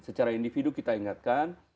secara individu kita ingatkan